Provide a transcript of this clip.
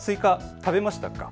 食べました。